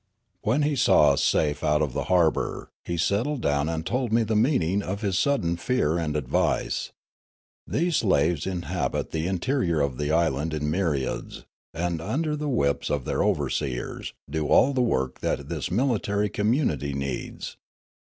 When he saw us safe out of the harbour, he settled down and told me the meaning of his sudden fear and advice. " These slaves inhabit the interior of the island in myriads, and, under the whips of their overseers, do all the work that this military community needs.